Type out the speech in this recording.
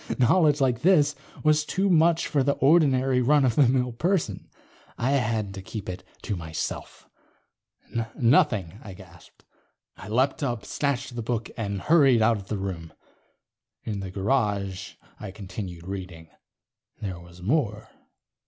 Knowledge like this was too much for the ordinary run of the mill person. I had to keep it to myself. "Nothing," I gasped. I leaped up, snatched the book, and hurried out of the room. In the garage, I continued reading. There was more.